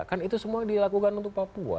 kan itu semua dilakukan untuk papua